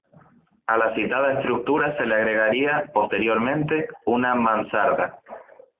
A la citada estructura se le agregaría, posteriormente, una mansarda.